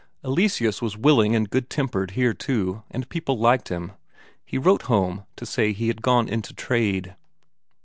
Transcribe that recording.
Eleseus was willing and good tempered here too, and people liked him; he wrote home to say he had gone into trade.